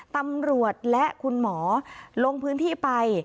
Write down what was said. ตำรวจและคุณหมอลงพื้นที่ไป